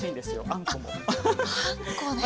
あんこね！